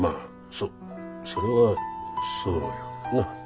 そそれはそうやけどな。